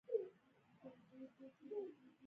هیله لرو چې په لنډ وخت کې دغه مشکل حل کړو.